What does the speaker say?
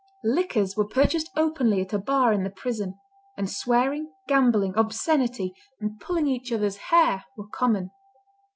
Liquors were purchased openly at a bar in the prison; and swearing, gambling, obscenity, and pulling each other's hair were common.